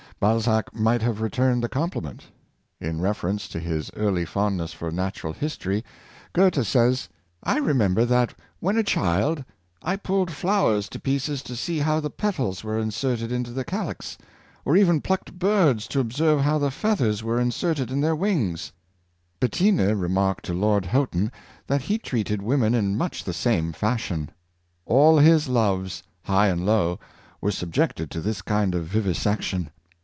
Balzac might have returned the compliment. In reference to his early fondness for natural history, Goethe says: "I remember that when T&^E P(0)ET ©OET^IE Al :^ llii A 5^ GCFO [RT, FOR "HAPPY HOMES" Culture of Both Sexes. 561 a child I pulled flowers to pieces to see how the petals were inserted into the calyx, or even plucked birds to observe how the feathers were inserted in their wings." Bettina remarked to Lord Houghton that he treated women in much the same fashion. All his loves, high and low, were subjected to this kind of vivisection.